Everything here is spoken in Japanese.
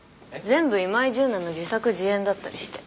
全部今井純奈の自作自演だったりして。